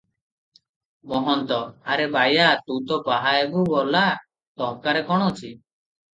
ମହନ୍ତ- ଆରେ ବାୟା! ତୁ ତ ବାହା ହେବୁ ଗଲା, ଟଙ୍କାରେ କଣ ଅଛି?